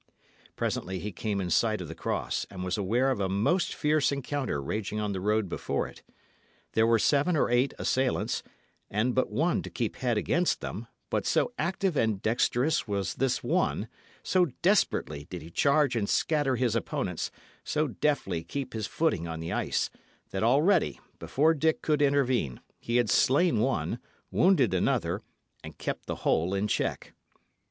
Presently he came in sight of the cross, and was aware of a most fierce encounter raging on the road before it. There were seven or eight assailants, and but one to keep head against them; but so active and dexterous was this one, so desperately did he charge and scatter his opponents, so deftly keep his footing on the ice, that already, before Dick could intervene, he had slain one, wounded another, and kept the whole in check.